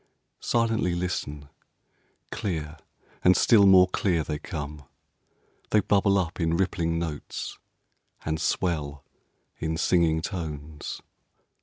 Silently listen! Clear, and still more clear, they come. They bubble up in rippling notes, and swell in singing tones.